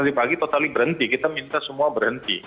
tadi pagi totalnya berhenti kita minta semua berhenti